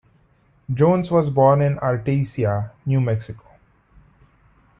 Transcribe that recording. Jones was born in Artesia, New Mexico.